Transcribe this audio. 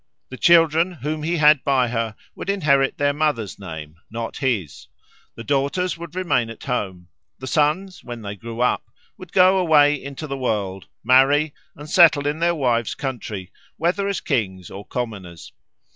The children whom he had by her would inherit their mother's name, not his; the daughters would remain at home; the sons, when they grew up, would go away into the world, marry, and settle in their wives' country, whether as kings or commoners.